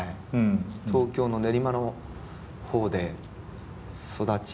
東京の練馬の方で育ち。